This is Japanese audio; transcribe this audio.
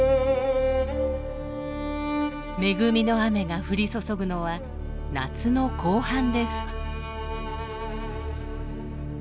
恵みの雨が降り注ぐのは夏の後半です。